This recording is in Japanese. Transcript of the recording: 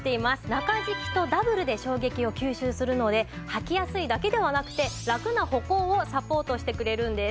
中敷きとダブルで衝撃を吸収するので履きやすいだけではなくてラクな歩行をサポートしてくれるんです。